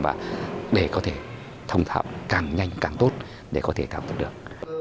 và để có thể thông thạo càng nhanh càng tốt để có thể tạo được